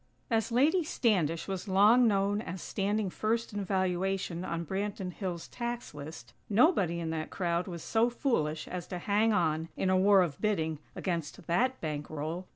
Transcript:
As Lady Standish was long known as standing first in valuation on Branton Hills' tax list, nobody in that crowd was so foolish as to hang on, in a war of bidding, against that bankroll.